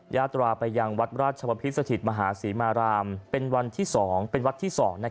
ยาตราไปยังวัดราชบพิษสถิตมหาศรีมารามเป็นวัดที่๒